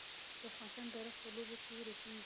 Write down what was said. د افغانستان بیرغ په لوبو کې رپیږي.